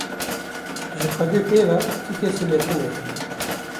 Ji Xwedê pê ve ti kesî me tune ye.